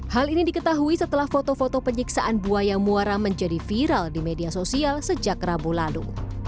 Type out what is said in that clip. hal ini diketahui setelah foto foto penyiksaan buaya muara menjadi viral di media sosial sejak rabu lalu